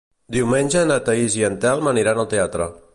Diumenge na Thaís i en Telm aniran al teatre.